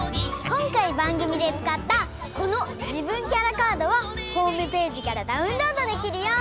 こんかいばんぐみでつかったこの「じぶんキャラカード」はホームページからダウンロードできるよ。